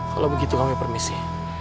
kalau begitu kami permisi